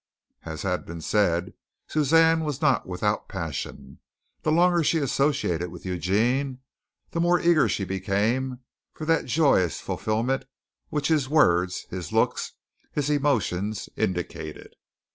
As has been said, Suzanne was not without passion. The longer she associated with Eugene, the more eager she became for that joyous fulfilment which his words, his looks, his emotions indicated.